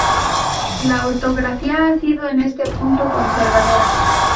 La ortografía ha sido en este punto conservadora.